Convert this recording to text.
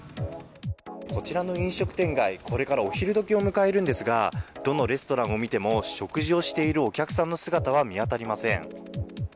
こちらの飲食店街、これからお昼どきを迎えるんですが、どのレストランを見ても、食事をしているお客さんの姿は見当たりません。